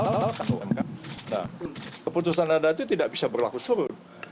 nah keputusan anda itu tidak bisa berlaku seru